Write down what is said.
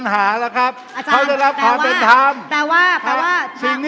ถ้าได้ทำเนี่ย